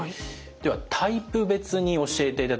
ではタイプ別に教えていただきます。